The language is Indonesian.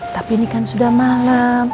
tapi ini kan sudah malam